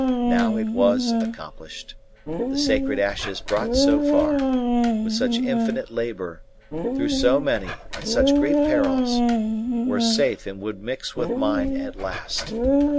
Now it was accomplished; the sacred ashes brought so far, with such infinite labour, through so many and such great perils, were safe and would mix with mine at last.